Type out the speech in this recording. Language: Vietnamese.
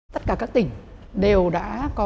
tất cả các tỉnh đều đã có